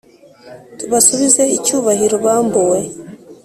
tubasubize icyubahiro bambuwe